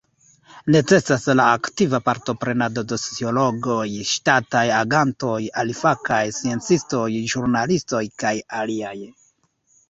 Necesas la aktiva partoprenado de sociologoj, ŝtataj agantoj, alifakaj sciencistoj, ĵurnalistoj, kaj aliaj.